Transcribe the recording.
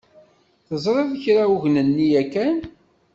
Teẓriḍ kra ugnenni yakan?